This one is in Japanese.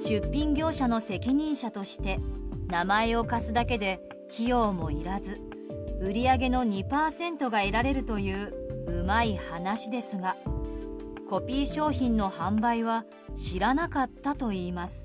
出品業者の責任者として名前を貸すだけで費用もいらず売り上げの２％が得られるといううまい話ですがコピー商品の販売は知らなかったといいます。